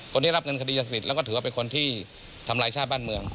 คนที่รับเงินคดียาเสพติดแล้วก็ถือว่าเป็นคนที่ทำลายชาติบ้านเมือง